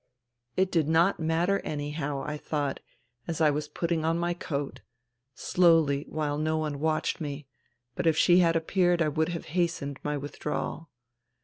It did not matter, anyhow, I thought, as I was putting on my coat (slowly while no one watched me, but if she had appeared I would have hastened my withdrawal).